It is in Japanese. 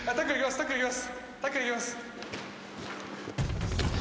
タックルきます